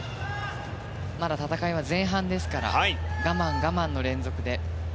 まだ戦いは前半ですから我慢我慢の連続で。